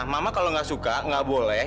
mama kalau gak suka gak boleh